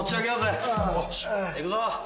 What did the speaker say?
いくぞ！